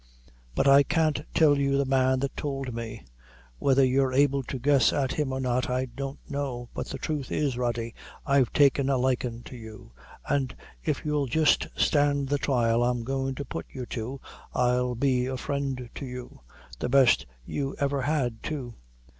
"But I can't tell you the man that toald me. Whether you're able to guess at him or not, I don't know; but the thruth is, Rody, I've taken a likin' to you an' if you'll just stand the trial I'm goin' to put you to, I'll be a friend to you the best you ever had too."